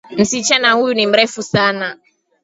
Msichana huyu ni mrefu sana.